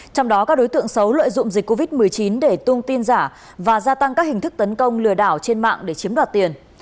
trong đó các đối tượng xấu lợi dụng dịch covid một mươi chín để tung tin giả và gia tăng các hình thức tấn công lừa đảo trên mạng để chiếm đoạt tiền